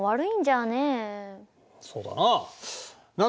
そうだな。